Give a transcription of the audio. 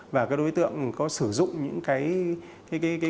và các đối tượng có sử dụng có thể nhận tiền